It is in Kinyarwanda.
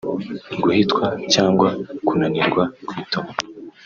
Guhitwa cyangwa kunanirwa kwituma